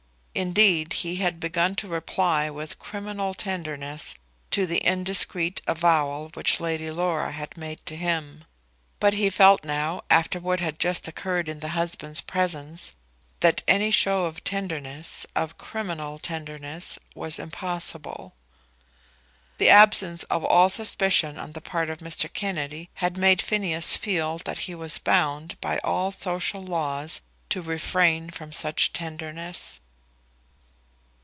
Indeed, he had begun to reply with criminal tenderness to the indiscreet avowal which Lady Laura had made to him. But he felt now, after what had just occurred in the husband's presence, that any show of tenderness, of criminal tenderness, was impossible. The absence of all suspicion on the part of Mr. Kennedy had made Phineas feel that he was bound by all social laws to refrain from such tenderness.